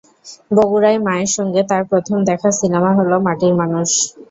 বগুড়ায় মায়ের সঙ্গে তার প্রথম দেখা সিনেমা হলো ‘মাটির মানুষ’।